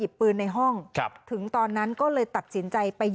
มีคนร้องบอกให้ช่วยด้วยก็เห็นภาพเมื่อสักครู่นี้เราจะได้ยินเสียงเข้ามาเลย